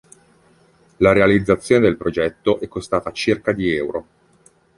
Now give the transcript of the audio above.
La realizzazione del progetto è costata circa di euro.